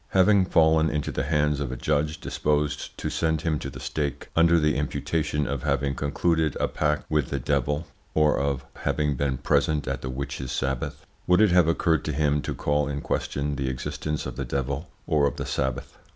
Having fallen into the hands of a judge disposed to send him to the stake, under the imputation of having concluded a pact with the devil, or of having been present at the witches sabbath, would it have occurred to him to call in question the existence of the devil or of the sabbath?